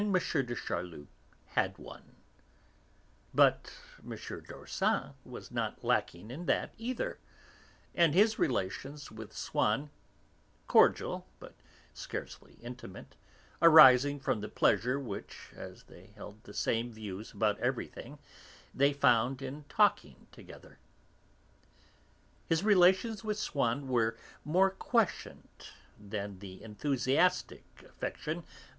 de Charlus had one. But M. d'Orsan was not lacking in that either, and his relations with Swann cordial, but scarcely intimate, arising from the pleasure which, as they held the same views about everything, they found in talking together were more quiescent than the enthusiastic affection of M.